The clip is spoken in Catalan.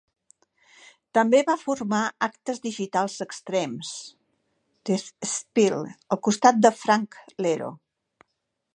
També va formar actes digitals extrems, Death Spells, al costat de Frank Iero.